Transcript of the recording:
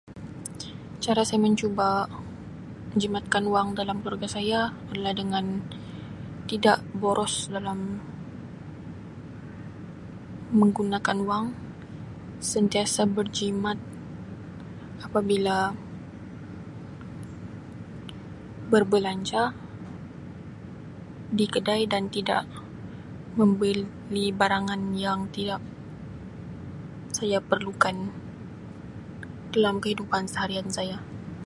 Cara saya mencuba jimatkan wang dalam keluarga saya adalah dengan tidak boros dalam menggunakan wang sentiasa berjimat apabila berbelanja di kedai dan tidak membeli barangan yang tidak saya perlukan dalam kehidupan seharian saya.